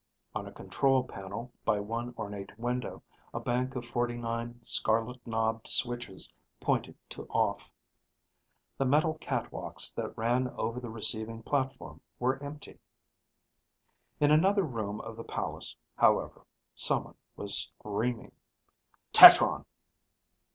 On a control panel by one ornate window, a bank of forty nine scarlet knobbed switches pointed to off. The metal catwalks that ran over the receiving platform were empty. In another room of the palace, however, someone was screaming. "Tetron!"